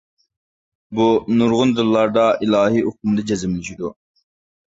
بۇ نۇرغۇن دىنلاردا ئىلاھىي ئۇقۇمدا جەزملىشىدۇ.